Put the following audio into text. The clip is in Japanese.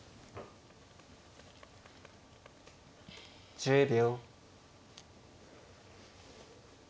１０秒。